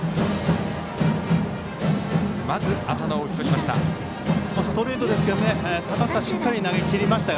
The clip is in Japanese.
まず、浅野を打ち取りました。